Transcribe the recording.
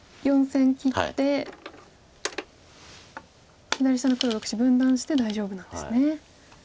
４線切って左下の黒６子分断して大丈夫なんですね。